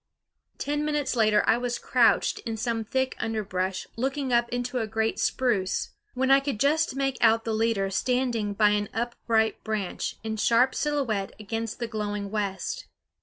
Ten minutes later I was crouched in some thick underbrush looking up into a great spruce, when I could just make out the leader standing by an upright branch in sharp silhouette against the glowing west.